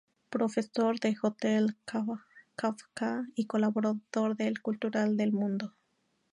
Profesor del Hotel Kafka, y colaborador de El Cultural de El Mundo.